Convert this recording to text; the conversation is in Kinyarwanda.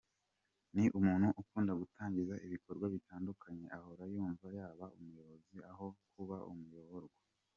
Ni umuntu ukunda gutangiza ibikorwa bitandukanye, ahora yumva yaba umuyobozi aho kuba umuyoborwa.